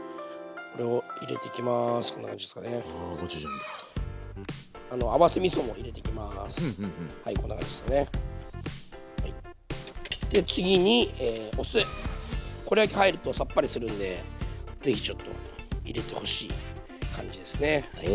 これ入るとサッパリするんで是非ちょっと入れてほしい感じですね。